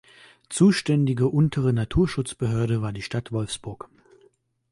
Zuständige untere Naturschutzbehörde war die Stadt Wolfsburg.